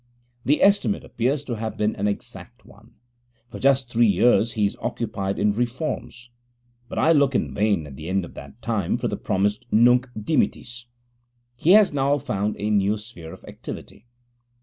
The estimate appears to have been an exact one. For just three years he is occupied in reforms; but I look in vain at the end of that time for the promised Nunc dimittis. He has now found a new sphere of activity.